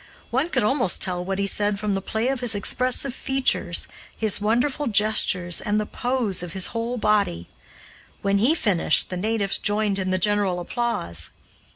One could almost tell what he said from the play of his expressive features, his wonderful gestures, and the pose of his whole body. When he finished, the natives joined in the general applause.